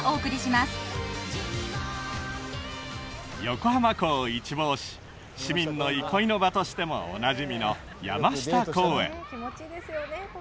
横浜港を一望し市民の憩いの場としてもおなじみの山下公園